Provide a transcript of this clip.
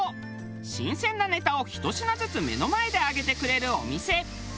新鮮なネタをひと品ずつ目の前で揚げてくれるお店。